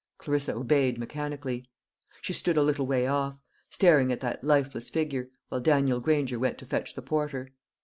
Clarissa obeyed mechanically. She stood a little way off, staring at that lifeless figure, while Daniel Granger went to fetch the porter.